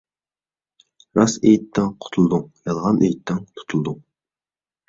راست ئېيتتىڭ قۇتۇلدۇڭ، يالغان ئېيتتىڭ تۇتۇلدۇڭ.